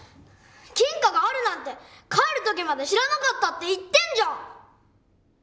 金貨があるなんて帰る時まで知らなかったって言ってんじゃん！